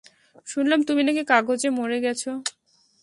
শুনলাম তুমি নাকি কাগজে মরে গেছো।